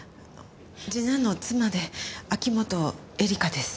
次男の妻で秋本恵利香です。